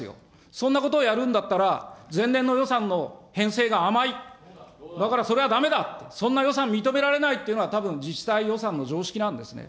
そんなことをやるんだったら、前年度予算の編成が甘い、だからそれはだめだ、そんな予算認められないっていうのが、たぶん、自治体予算の常識なんですね。